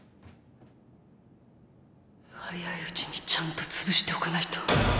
早いうちにちゃんとつぶしておかないと